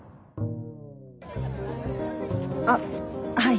あっはい。